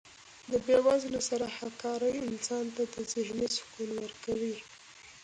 د بې وزلو سره هکاري انسان ته ذهني سکون ورکوي.